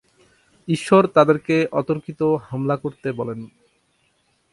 ঈশ্বর তাদেরকে অতর্কিত হামলা করতে বলেন।